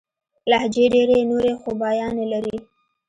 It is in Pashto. لهجې ډېري نوري خوباياني لري.